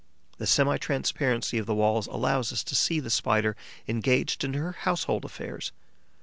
The semi transparency of the walls allows us to see the Spider engaged in her household affairs.